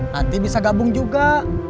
hati bisa gabung juga